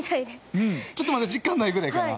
ちょっとまだ実感ないぐらいかな。